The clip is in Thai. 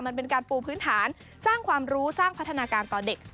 มันเป็นการปูพื้นฐานสร้างความรู้สร้างพัฒนาการต่อเด็ก